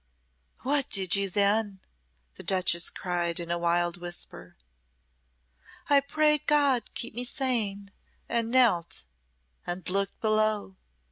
"What did you then?" the duchess cried, in a wild whisper. "I prayed God keep me sane and knelt and looked below.